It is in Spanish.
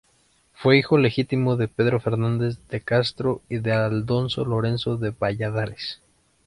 Fue hijo ilegítimo de Pedro Fernández de Castro y de Aldonza Lorenzo de Valladares.